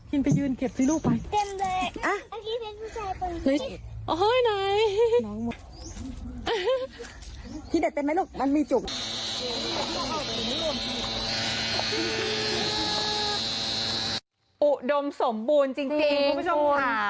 อุดมสมบูรณ์จริงคุณผู้ชมค่ะ